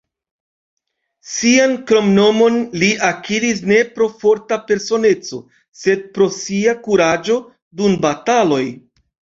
Sian kromnomon li akiris ne pro forta personeco, sed pro sia kuraĝo dum bataloj.